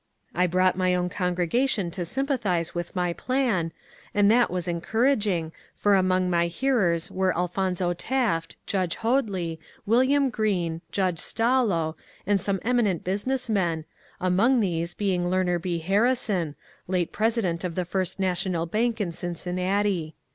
I brought my own congregation to sympathize with my plan, and that was encouraging, for among my hearers were Al phonzo Taft, Judge Hoadly, William Greene, Judge Stallo, and some eminent business men — among these being Learner B. Harrison, late president of the First National Bank in Cin cinnati.